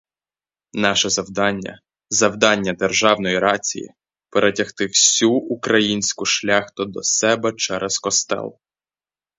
Наше завдання, завдання державної рації — перетягти всю українську шляхту до себе через костел.